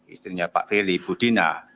istrinya pak feli ibu dina